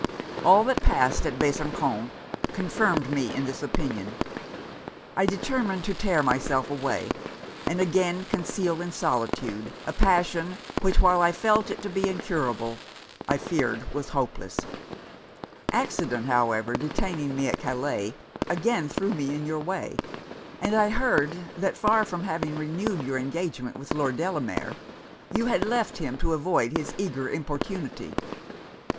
All that passed at Besançon confirmed me in this opinion. I determined to tear myself away, and again conceal in solitude a passion, which, while I felt it to be incurable, I feared was hopeless. Accident, however, detaining me at Calais, again threw me in your way; and I heard, that far from having renewed your engagement with Lord Delamere, you had left him to avoid his eager importunity.